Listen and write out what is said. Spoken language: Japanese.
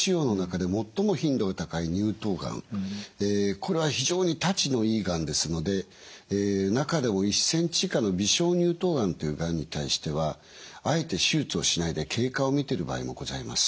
これは非常にたちのいいがんですので中でも１センチ以下の微小乳頭がんというがんに対してはあえて手術をしないで経過を見ている場合もございます。